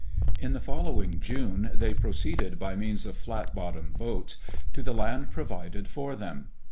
In the following June they proceeded by means of flat bottomed boats, to the land provided for them.